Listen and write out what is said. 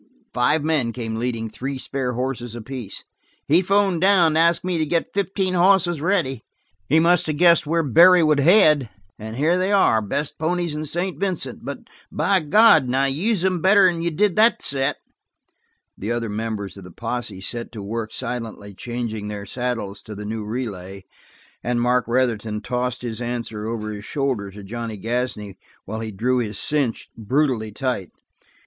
Five men came leading three spare horses apiece. "He phoned down and asked me to get fifteen hosses ready. He must of guessed where Barry would head. And here they are the best ponies in St. Vincent but for God's sake use 'em better'n you did that set!" The other members of the posse set to work silently changing their saddles to the new relay, and Mark Retherton tossed his answer over his shoulder to Johnny Gasney while he drew his cinch brutally tight.